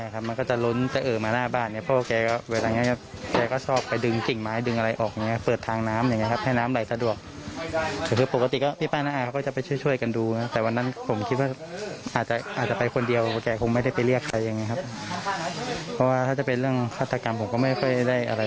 เพราะว่าถ้าจะเป็นเรื่องฆาตกรรมผมก็ไม่ค่อยได้อะไร